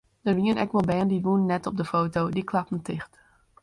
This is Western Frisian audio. Der wienen ek wol bern dy woenen net op de foto, dy klapten ticht.